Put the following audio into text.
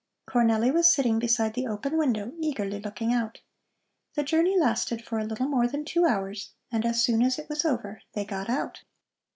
Cornelli was sitting beside the open window, eagerly looking out. The journey lasted for a little more than two hours, and as soon as it was over they got out.